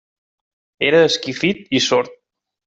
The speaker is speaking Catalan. Era esquifit i sord.